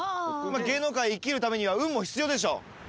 芸能界生きるためには運も必要でしょう。